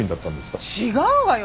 違うわよ！